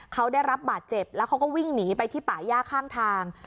เขาได้รับบาดเจ็บแล้วเขาก็วิ่งหนีไปที่ป่าย่าข้างทาง